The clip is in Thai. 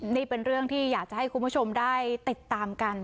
นี่เป็นเรื่องที่อยากจะให้คุณผู้ชมได้ติดตามกัน